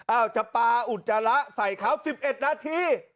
จะปลาอุจจาระใส่เขา๑๑นาที